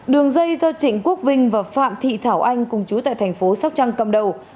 đường dây do trịnh quốc vinh và phạm thị thảo anh cùng chú tại thành phố sóc trăng cầm đầu